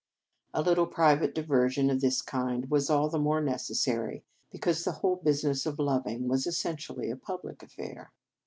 A little private diversion of this kind was all the more necessary be cause the whole business of loving was essentially a public affair.